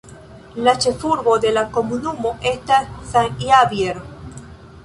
La ĉefurbo de la komunumo estas San Javier.